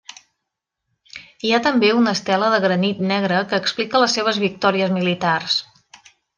Hi ha també una estela de granit negre que explica les seves victòries militars.